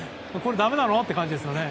だめなの？という感じですね。